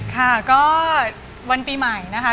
ค่ะก็วันปีใหม่นะคะ